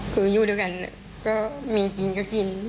คืออยู่ด้วยกันก็มีกินก็กิน